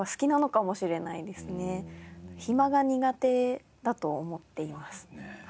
暇が苦手だと思っています。